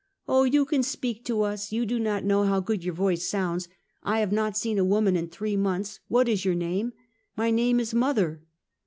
"Oh, you can speak to us; you do not know how good your voice sounds. I have not seen a woman in three months; what is your name?" " My name is mother."